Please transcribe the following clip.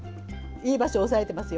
いい場所を押さえていますよ。